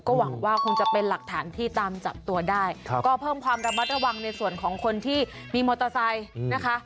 หวังว่าคงจะเป็นหลักฐานที่ตามจับตัวได้ก็เพิ่มความระมัดระวังในส่วนของคนที่มีมอเตอร์ไซค์นะคะ